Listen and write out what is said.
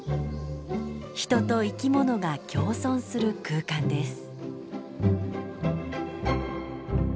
人と生き物が共存する空間です。